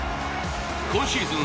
今シーズン